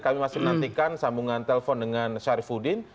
kami masih menantikan sambungan telepon dengan syarif udin